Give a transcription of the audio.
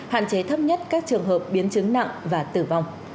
hạn chế thấp nhất các trường hợp biến chứng nặng và tử vong